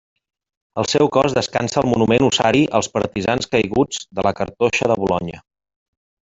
El seu cos descansa al Monument Ossari als Partisans Caiguts de la Cartoixa de Bolonya.